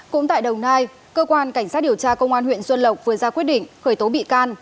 cũng tại đồng nai cơ quan cảnh sát điều tra công an huyện xuân lộc vừa ra quyết định khởi tố bị can